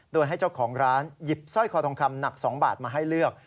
โดยให้เจ้าของร้านหยิบสร้อยคอทองคำหนัก๒บาทมาให้เลือก